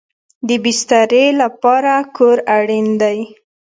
د بسترې لپاره کور اړین دی